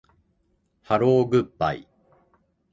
ハローグッバイ